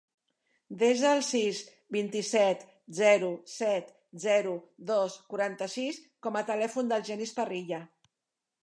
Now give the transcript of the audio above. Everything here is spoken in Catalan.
Desa el sis, vint-i-set, zero, set, zero, dos, quaranta-sis com a telèfon del Genís Parrilla.